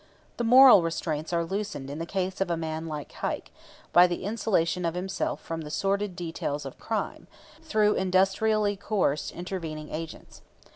The moral restraints are loosened in the case of a man like Heike by the insulation of himself from the sordid details of crime, through industrially coerced intervening agents.